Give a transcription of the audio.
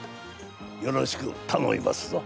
よろしくたのみますぞ。